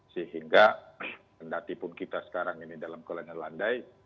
sehingga ternyata pun kita sekarang ini dalam kelenggan landai